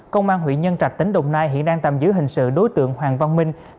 công an huyện nhân trạch tỉnh đồng nai hiện đang tạm giữ hình sự đối tượng hoàng văn minh